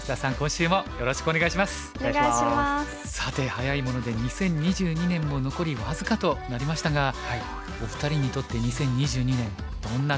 さて早いもので２０２２年も残り僅かとなりましたがお二人にとって２０２２年どんな年でしたか？